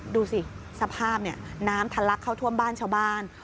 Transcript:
ดูสิสภาพนี้น้ำทัลลักษณ์เข้าทวมบ้านชาวบ้าน